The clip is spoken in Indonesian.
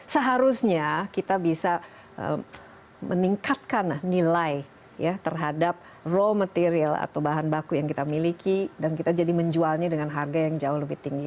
seharusnya kita bisa meningkatkan nilai terhadap raw material atau bahan baku yang kita miliki dan kita jadi menjualnya dengan harga yang jauh lebih tinggi